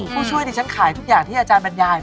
ผู้ช่วยดิฉันขายทุกอย่างที่อาจารย์บรรยาย